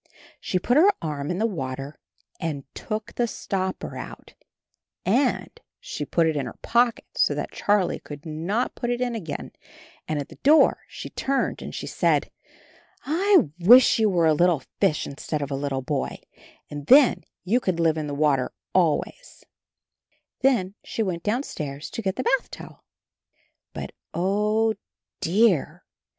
She put her arm in the water and took the stopper out, and she put it in her pocket, so that Charlie should not put it in again, and at the door she turned and she said: "I wish you were a little fish instead of a little boy, and then you could live in the water always/^ Then she went downstairs to get the bath towel. But, O dear!